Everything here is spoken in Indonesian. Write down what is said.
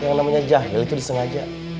yang namanya jahil itu disengaja